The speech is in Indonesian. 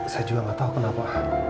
saya juga gak tau kenapa